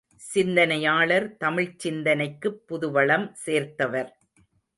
சிந்தனையாளர் தமிழ்ச் சிந்தனைக்குப் புதுவளம் சேர்த்தவர்.